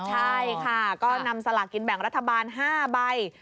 ใช่ค่ะก็นำสลากกินแบ่งรัฐบาล๕ใบ